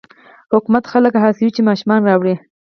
حکومت خلک هڅوي چې ماشومان راوړي.